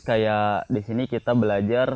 kayak di sini kita belajar